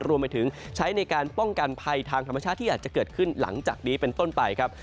รวมไปถึงใช้ในการป้องกันภัยทางธรรมชาติที่อาจจะเกิดขึ้นหลังจากนี้เป็นต้นไปครับ